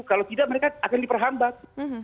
kalau tidak mereka akan diperhambat